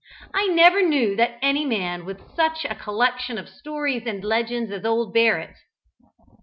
I never knew any man with such a collection of stories and legends as old Barrett.